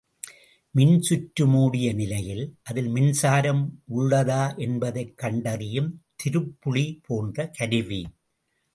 மின்சுற்று மூடிய நிலையில் அதில் மின்சாரம் உள்ளதா என்பதைக் கண்டறியும் திருப்புளி போன்ற கருவி.